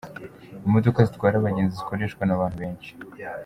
Imodoka zitwara abagenzi zikoreshwa n’abantu benshi.